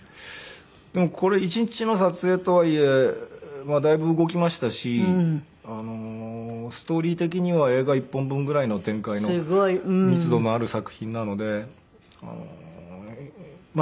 これ１日の撮影とはいえだいぶ動きましたしストーリー的には映画１本分ぐらいの展開の密度のある作品なので自信にもなりましたね。